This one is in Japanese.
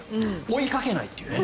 追いかけないというね。